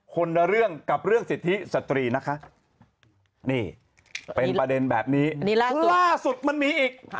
คนละเรื่องกับเรื่องสิทธิสตรีนะคะนี่เป็นประเด็นแบบนี้ล่าสุดมันมีอีก